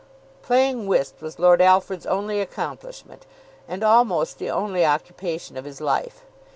Playing whist was Lord Alfred's only accomplishment, and almost the only occupation of his life.